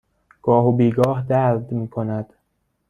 گاه و بیگاه درد می کند.